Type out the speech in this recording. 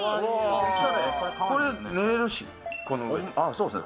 そうですね